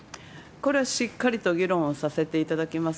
これはしっかりと議論をさせていただきます。